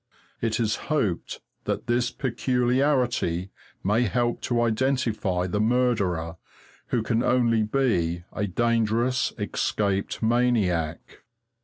It is hoped that this peculiarity may help to identify the murderer, who can only be a dangerous escaped maniac.